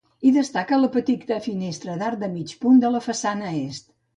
Hi destaca la petita finestra d'arc de mig punt de la façana est.